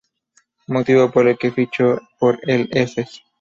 Motivo por el que fichó por el Efes.